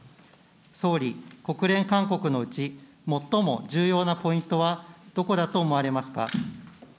総理、国連勧告のうち、最も重要なポイントはどこだと思われますか。